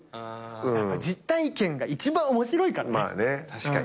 実体験が一番面白いからね。